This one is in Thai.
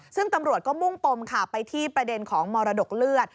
ซึ่งตำรวจก็มุ่งปมค่ะไปที่ประเด็นของมรดกเลือด